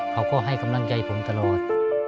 เขาก็ให้กำลังใจผมตลอด